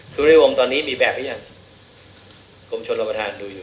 ทุกวงตอนนี้มีแบบหรือยังกรมชนรับประทานดูอยู่